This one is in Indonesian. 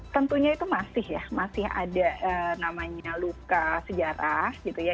tentunya itu masih ya masih ada namanya luka sejarah gitu ya